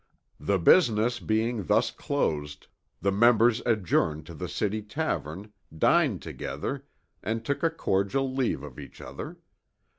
The business being thus closed, the Members adjourned to the City Tavern, dined together and took a cordial leave of each other.